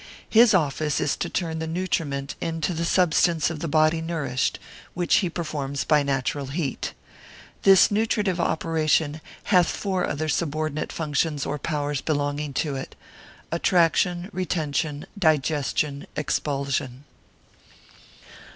His office is to turn the nutriment into the substance of the body nourished, which he performs by natural heat. This nutritive operation hath four other subordinate functions or powers belonging to it—attraction, retention, digestion, expulsion.